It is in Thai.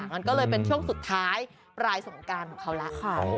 มันก็เลยเป็นช่วงสุดท้ายปลายสงการของเขาแล้วค่ะ